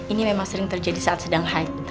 ini memang terjadi saat sedang haid